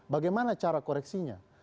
bagaimana cara koreksinya